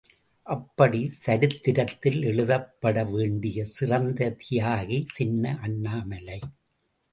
அப்படி சரித்திரத்தில் எழுதப்பட வேண்டிய சிறந்த தியாகி சின்ன அண்ணாமலை.